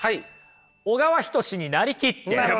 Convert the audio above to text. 小川仁志に成りきって。